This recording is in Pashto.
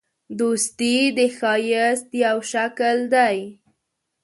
دوستي د ښایست یو شکل دی.